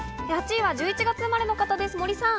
８位は１１月生まれの方です、森さん。